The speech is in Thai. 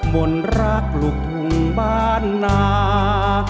มนต์รักลูกทุ่งบ้านนา